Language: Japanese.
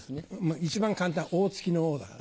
一番簡単大月の「大」だから。